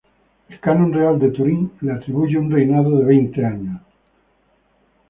El Canon Real de Turín le atribuye un reinado de veinte años.